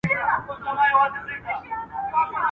خوار مړ سو، له خوارۍ، ده لا غوښتې زېرنۍ.